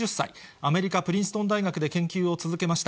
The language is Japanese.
アメリカ・プリンストン大学で研究を続けました。